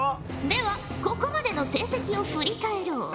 ではここまでの成績を振り返ろう。